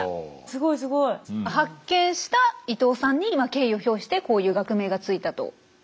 すごいすごい。発見した伊東さんに敬意を表してこういう学名がついたということですよね。